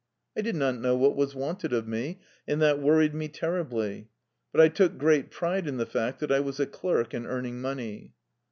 I did not know what was wanted of me, and that worried me terribly. But I took great pride in the fact that I was a clerk and earning money.